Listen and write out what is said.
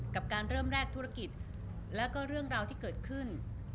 กับการเริ่มแรกธุรกิจแล้วก็เรื่องราวที่เกิดขึ้น